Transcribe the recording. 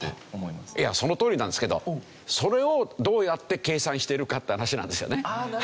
いやそのとおりなんですけどそれをどうやって計算しているかっていう話なんですよね。